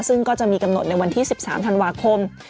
ซึ่งก็จะมีกำหนดในวันที่๑๓ธันวาคม